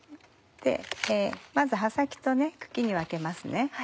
まず葉先と茎に分けますね。